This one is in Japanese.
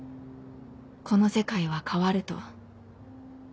「この世界は変わる」と